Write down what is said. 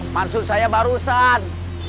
maksud saya barusan